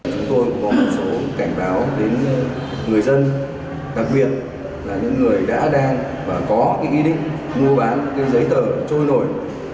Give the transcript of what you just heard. chúng tôi cũng có một số cảnh báo đến người dân đặc biệt là những người đã đang và có ý định mua bán giấy tờ trôi nổi